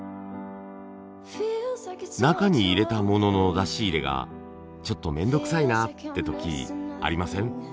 中に入れた物の出し入れがちょっと面倒くさいなって時ありません？